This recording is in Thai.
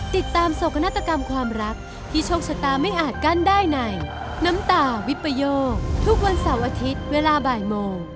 โศกนาฏกรรมความรักที่โชคชะตาไม่อาจกั้นได้ในน้ำตาวิปโยคทุกวันเสาร์อาทิตย์เวลาบ่ายโมง